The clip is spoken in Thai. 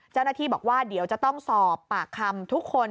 เจ้าหน้าที่บอกว่าเดี๋ยวจะต้องสอบปากคำทุกคน